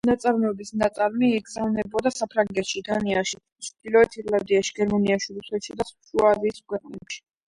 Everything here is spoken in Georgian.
საწარმოს ნაწარმი იგზავნებოდა საფრანგეთში, დანიაში, ჩრდილოეთ ირლანდიაში, გერმანიაში, რუსეთსა და შუა აზიის ქვეყნებში.